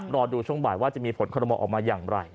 รอดูช่วงบ่ายว่าจะมีผลคอรมอลออกมาอย่างไร